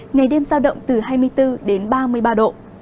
ngày đêm giao động từ hai mươi bốn đến ba mươi ba độ